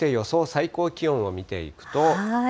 最高気温を見ていくと。